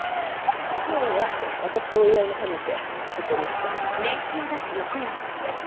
今日は私のお祝いも兼ねてここにした。